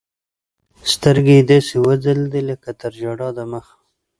سترګې يې داسې وځلېدې لكه تر ژړا د مخه.